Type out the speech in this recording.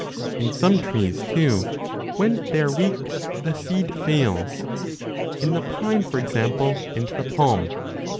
In some trees too, when they are weak, the seed fails, in the pine for example, and the palm.